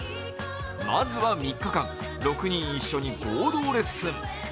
まずは３日間、６人一緒に合同レッスン。